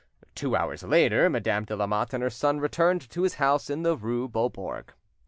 Two hours later Madame de Lamotte and her son returned to his house in the rue Beaubourg.